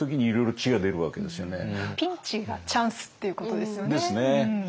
ピンチがチャンスっていうことですよね。